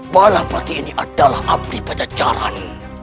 berlapati ini adalah abdi panjajaran